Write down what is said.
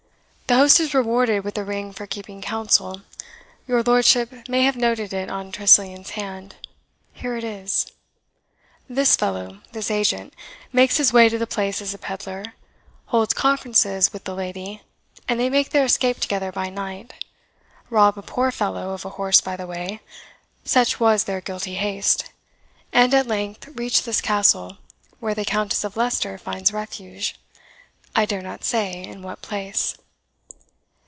The host is rewarded with a ring for keeping counsel your lordship may have noted it on Tressilian's hand here it is. This fellow, this agent, makes his way to the place as a pedlar; holds conferences with the lady, and they make their escape together by night; rob a poor fellow of a horse by the way, such was their guilty haste, and at length reach this Castle, where the Countess of Leicester finds refuge I dare not say in what place."